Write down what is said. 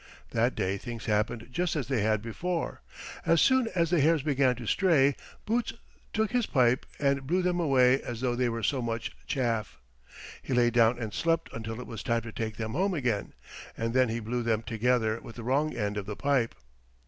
That day things happened just as they had before. As soon as the hares began to stray Boots took his pipe and blew them away as though they were so much chaff. He lay down and slept until it was time to take them home again, and then he blew them together with the wrong end of the pipe.